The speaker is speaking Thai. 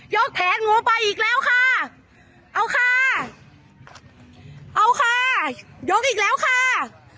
กแผงหนูไปอีกแล้วค่ะเอาค่ะเอาค่ะยกอีกแล้วค่ะ